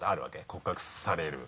告白される。